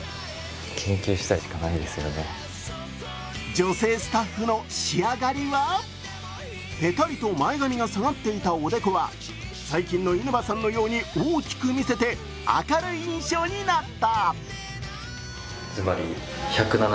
女性スタッフの仕上がりはぺたりと前髪が下がっていたおでこは最近の稲葉さんのように大きく見せて明るい印象になった。